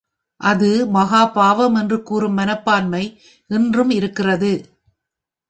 அது மகாப் பாவம் என்று கூறும் மனப்பான்மை இன்றும் இருக்கிறது.